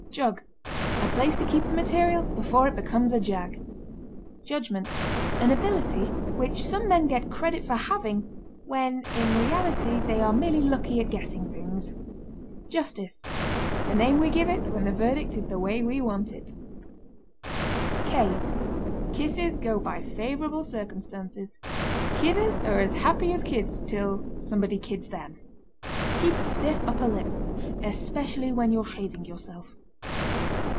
JUG. A place to keep the material before it becomes a jag. JUDGMENT. An ability which some men get credit for having when in reality they are merely lucky at guessing things. JUSTICE. The name we give it when the verdict is the way we want it. [Illustration: "K A Small boy can spoil the most favorable circumstance."] Kisses go by favorable circumstances. Kidders are as happy as kids till somebody kids them. Keep a stiff upper lip especially when you're shaving yourself.